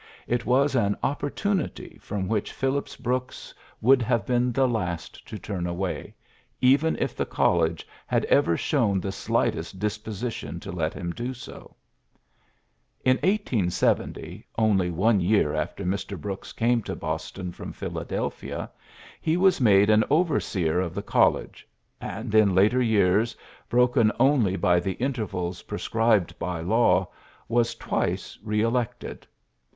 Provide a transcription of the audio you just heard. It was an op portunity from which Phillips Brooks would have been the last to turn away, even if the college had ever shown the slightest disposition to let Mm do so. In 1870, only one year after Mr. Brooks came to Boston from Philadel phia, he was made an overseer of the college, and in later years, broken only by the intervals prescribed by law, was twice re elected.